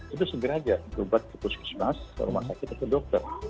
itu segera saja obat ke puskesmas rumah sakit atau ke dokter